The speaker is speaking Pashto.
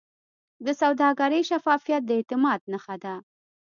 د سوداګرۍ شفافیت د اعتماد نښه ده.